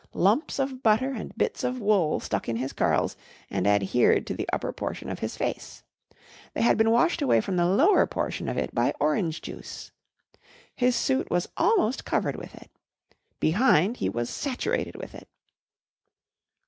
Lumps of butter and bits of wool stuck in his curls and adhered to the upper portion of his face. They had been washed away from the lower portion of it by orange juice. His suit was almost covered with it. Behind he was saturated with it.